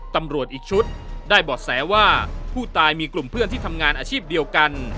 ตำรวจอีกชุดได้บ่อแสว่าผู้ตายมีกลุ่มเพื่อนที่ทำงานอาชีพเดียวกัน